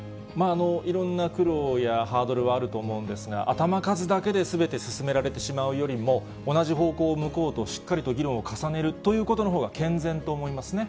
いろんな苦労やハードルはあると思うんですが、頭数だけですべて進められてしまうよりも同じ方向を向こうと、しっかりと議論を重ねるということのほうが、健全と思いますね。